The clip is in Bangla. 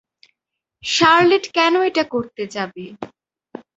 শার্লেট কেন এটা করতে যাবে?